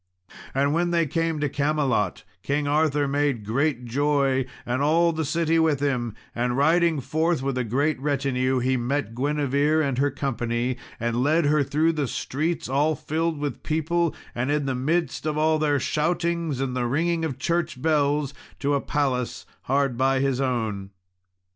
And when they came to Camelot, King Arthur made great joy, and all the city with him; and riding forth with a great retinue he met Guinevere and her company, and led her through the streets all filled with people, and in the midst of all their shoutings and the ringing of church bells, to a palace hard by his own.